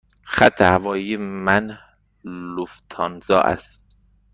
خط هوایی من لوفتانزا است.